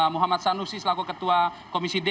muhammad sanusi selaku ketua komisial